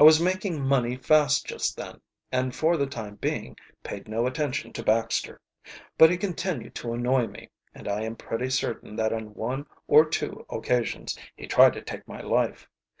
"I was making money fast just then, and for the time being paid no attention to Baxter. But he continued to annoy me, and I am pretty certain that on one or two occasions be tried to take my life.